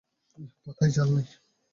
পাতায় ঝাল নেই।